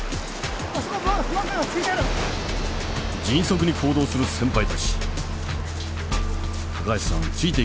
迅速に行動する先輩たち。